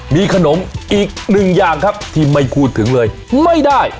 มีขนมอีกหนึ่งอย่างครับที่ไม่พูดถึงเลยไม่ได้